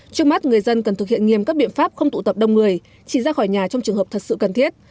trước mắt người dân cần thực hiện nghiêm các biện pháp không tụ tập đông người chỉ ra khỏi nhà trong trường hợp thật sự cần thiết